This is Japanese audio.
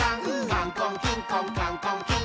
「カンコンキンコンカンコンキン！」